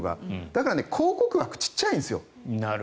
だから広告枠が小さいんです。